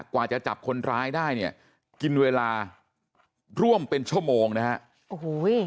กว่าจะจับคนร้ายได้เนี่ยกินเวลาร่วมเป็นชั่วโมงนะฮะโอ้โห